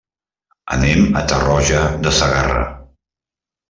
Anem a Tarroja de Segarra.